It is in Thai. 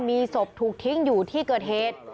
มีศพถูกทิ้งอยู่ที่เกิดเหตุ